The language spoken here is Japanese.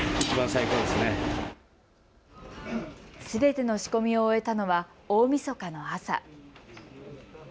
すべての仕込みを終えたのは大みそかの朝。